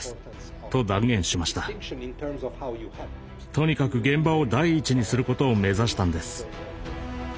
とにかく現場を第一にすることを目指したんです。